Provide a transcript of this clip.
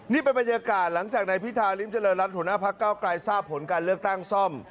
นี่เป็นบรรยากาศหลังจากในพิทาริมเจริญรันดรพเก้ากลายทราบผลการเลือกตั้งซ่อง